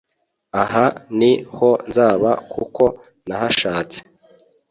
aha ni ho nzaba kuko nahashatse